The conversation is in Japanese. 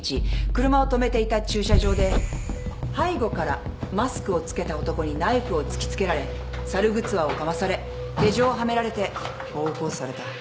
車を止めていた駐車場で背後からマスクを着けた男にナイフを突き付けられ猿ぐつわをかまされ手錠をはめられて暴行された。